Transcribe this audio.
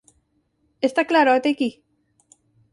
¿Está claro ata eiquí?